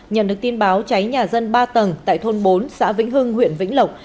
nhận được tin báo cháy nhà dân ba tầng tại thôn bốn xã vĩnh hưng huyện vĩnh lộc